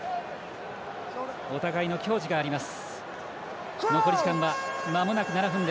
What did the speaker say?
お互いの矜持があります。